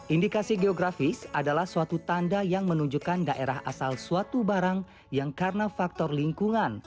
indikasi geografis adalah suatu tanda yang menunjukkan daerah asal suatu barang yang karena faktor lingkungan